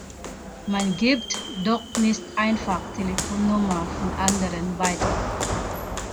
Man gibt doch nicht einfach Telefonnummern von anderen weiter!